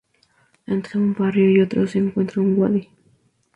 Entre un barrio y otro se encuentra un wadi.